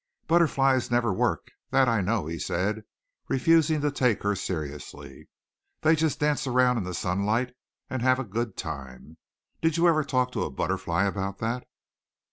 "Butterflies never work, that I know," he said, refusing to take her seriously. "They just dance around in the sunlight and have a good time. Did you ever talk to a butterfly about that?"